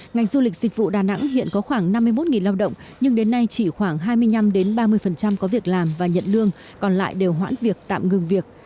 ngành du lịch dịch vụ đà nẵng hiện có khoảng năm mươi một lao động nhưng đến nay chỉ khoảng hai mươi năm ba mươi có việc làm và nhận lương còn lại đều hoãn việc tạm ngừng việc